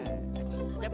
aku bikin sampel